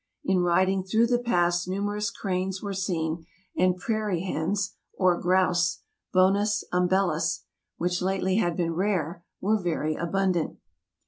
In riding through the pass numerous cranes were seen; and prairie hens, or grouse (Bonas umbellus), which lately had been rare, were very abundant.